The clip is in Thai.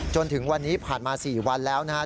จนถึงวันนี้ผ่านมา๔วันแล้วนะครับ